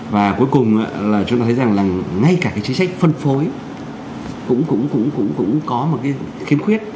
và cuối cùng là chúng ta thấy rằng là ngay cả cái chính sách phân phối cũng có một cái khiếm khuyết